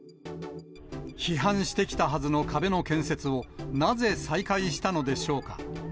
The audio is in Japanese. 批判してきたはずの壁の建設を、なぜ再開したのでしょうか。